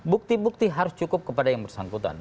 bukti bukti harus cukup kepada yang bersangkutan